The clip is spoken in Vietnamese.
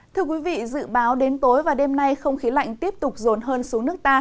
thưa quý vị dự báo đến tối và đêm nay không khí lạnh tiếp tục rồn hơn xuống nước ta